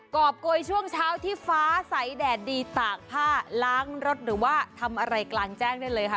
รอบโกยช่วงเช้าที่ฟ้าใสแดดดีตากผ้าล้างรถหรือว่าทำอะไรกลางแจ้งได้เลยค่ะ